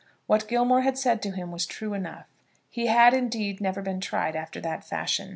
What Gilmore had said to him was true enough. He had, indeed, never been tried after that fashion.